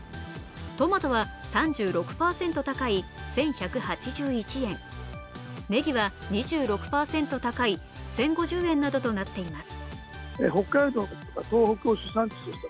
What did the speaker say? トマトは３６％高い１１８１円、ねぎは２６％高い１０５０円などとなっています。